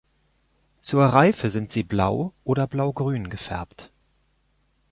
Zur Reife sind sie blau oder blaugrün gefärbt.